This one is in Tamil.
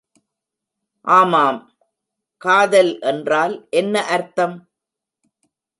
ஆமாம், காதல் என்றால் என்ன அர்த்தம்?